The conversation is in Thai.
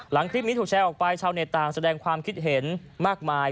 คลิปนี้ถูกแชร์ออกไปชาวเน็ตต่างแสดงความคิดเห็นมากมาย